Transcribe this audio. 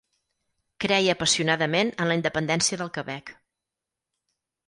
Creia apassionadament en la independència del Quebec.